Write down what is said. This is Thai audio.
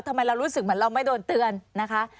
ทำไมเรารู้สึกเหมือนเราไม่โดนเตือนนะคะ